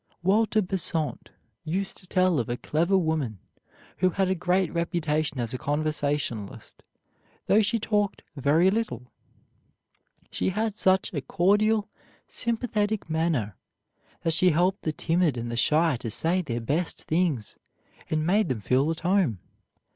Walter Besant used to tell of a clever woman who had a great reputation as a conversationalist, though she talked very little. She had such a cordial, sympathetic manner that she helped the timid and the shy to say their best things, and made them feel at home.